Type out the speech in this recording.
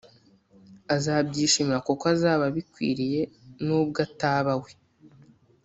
azabyishimira kuko azaba abikwiriye n’ubwo ataba we